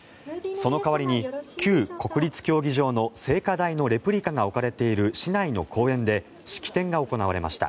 その代わりに旧国立競技場の聖火台のレプリカが置かれている市内の公園で式典が行われました。